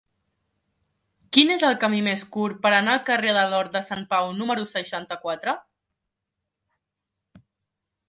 Quin és el camí més curt per anar al carrer de l'Hort de Sant Pau número seixanta-quatre?